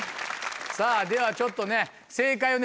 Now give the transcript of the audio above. さぁではちょっとね正解をね